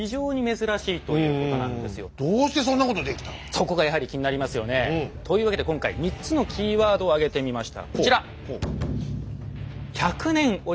そこがやはり気になりますよね。というわけで今回３つのキーワードを挙げてみました。